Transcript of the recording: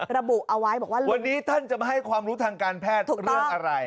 ระบุเอาไว้บอกว่าวันนี้ท่านจะมาให้ความรู้ทางการแพทย์เรื่องอะไร